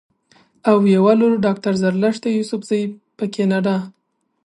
او يوه لورډاکټره زرلښته يوسفزۍ پۀ کنېډا